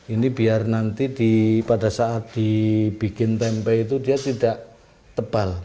ini biar nanti di pada tempat yang lainnya tidak terlalu banyak tempe mendoan